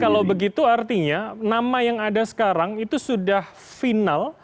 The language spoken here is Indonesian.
kalau begitu artinya nama yang ada sekarang itu sudah final